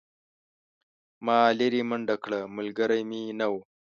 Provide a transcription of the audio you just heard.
ما لیرې منډه کړه ملګری مې نه و.